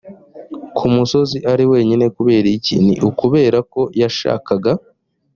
ku musozi ari wenyine kubera iki ni ukubera ko yashakaga